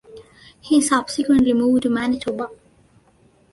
He subsequently moved to Manitoba.